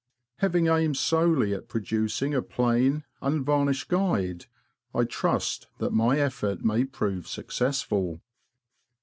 Having aimed solely at producing a plain, unvarnished guide, I trust that my effort may prove successful.